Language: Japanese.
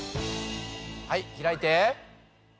はい開いて。